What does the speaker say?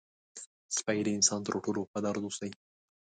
سپي د انسان تر ټولو وفادار دوست دی.